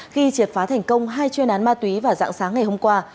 khi triệt phá thành công hai chuyên án ma túy vào dạng sáng ngày hôm qua